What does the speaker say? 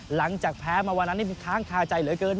หลังจากแพ้มาวันนั้นนี่มันค้างคาใจเหลือเกิน